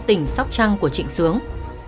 tỉnh sóc trăng của trịnh sướng